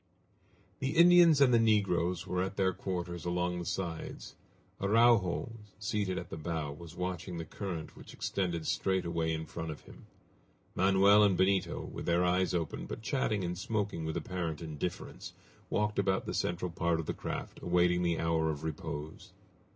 The Indians and the negroes were at their quarters along the sides. Araujo, seated at the bow, was watching the current which extended straight away in front of him. Manoel and Benito, with their eyes open, but chatting and smoking with apparent indifference, walked about the central part of the craft awaiting the hour of repose.